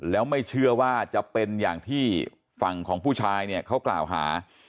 แล้วไม่เชื่อว่าจะเป็นอย่างที่ฝั่งของผู้ชายเนี่ยเขากล่าวหา